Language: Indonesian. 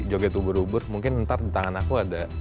joget uber uber mungkin ntar di tangan aku ada